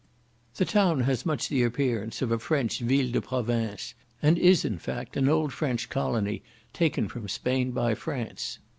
The town has much the appearance of a French Ville de Province, and is, in fact, an old French colony taken from Spain by France.